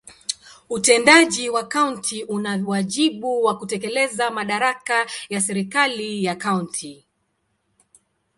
Utendaji wa kaunti una wajibu wa kutekeleza madaraka ya serikali ya kaunti.